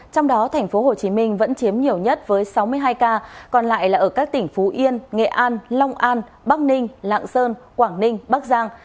trong đó tp hcm vẫn chiếm nhiều nhất với sáu mươi hai ca còn lại là ở các tỉnh phú yên nghệ an long an bắc ninh lạng sơn quảng ninh bắc giang